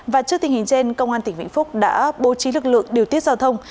và trước tình hình trên công an tỉnh vĩnh phúc đã bố trí lực lượng điều tiết giao thông